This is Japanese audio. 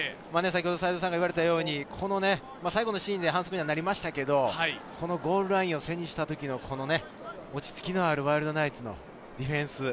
齊藤さんが言ったように最後のシーンで反則になりましたけど、ゴールラインを背にした時の落ち着きのあるワイルドナイツのディフェンス。